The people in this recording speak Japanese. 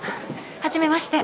はじめまして。